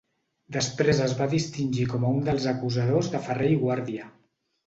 Després es va distingir com a un dels acusadors de Ferrer i Guàrdia.